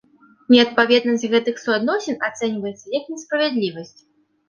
Неадпаведнасць гэтых суадносін ацэньваецца як несправядлівасць.